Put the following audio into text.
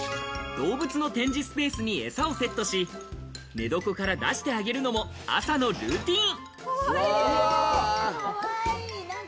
動物の展示スペースに、えさをセットし、寝床から出すのも朝のルーティン。